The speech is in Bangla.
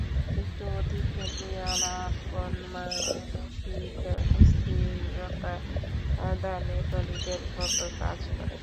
একটু অতীত নিয়ে আলাপন মানসিক স্থিরতা দানে টনিকের মতো কাজ করে!